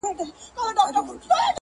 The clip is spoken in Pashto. له خوږو او له ترخو نه دي جارېږم,